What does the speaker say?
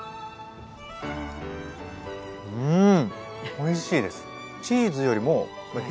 うんおいしいです。